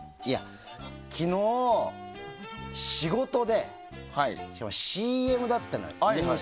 昨日、仕事でＣＭだったのよ。